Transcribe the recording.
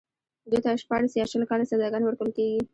دوی ته شپاړس يا شل کاله سزاګانې ورکول کېږي.